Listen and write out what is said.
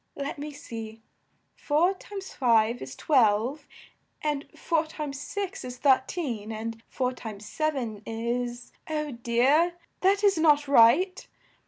Let me see: four times five is twelve, and four times six is thir teen, and four times sev en is oh dear! that is not right.